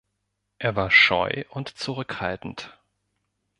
Er war scheu und zurückhaltend.